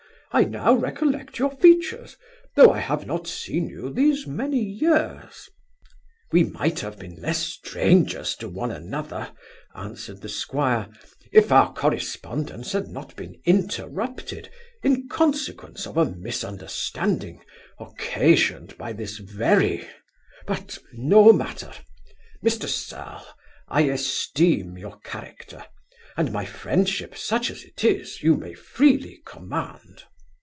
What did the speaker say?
I now recollect your features, though I have not seen you these many years.' 'We might have been less strangers to one another (answered the squire) if our correspondence had not been interrupted, in consequence of a misunderstanding, occasioned by this very , but no matter Mr Serle, I esteem your character; and my friendship, such as it is, you may freely command.